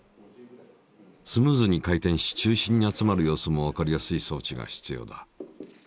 スムーズに回転し中心に集まる様子もわかりやすい装置が必要だ。